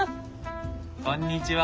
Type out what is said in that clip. こんにちは。